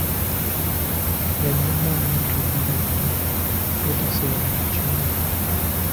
Yagyamu ebintu bye byonna obutasigala nakimu.